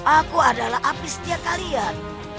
aku adalah abdis setia kalian